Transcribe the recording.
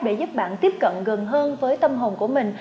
để giúp bạn tiếp cận gần hơn với tâm hồn của mình